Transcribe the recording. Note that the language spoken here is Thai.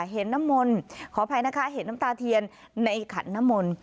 เห็นน้ำมนต์ขออภัยนะคะเห็นน้ำตาเทียนในขันน้ำมนต์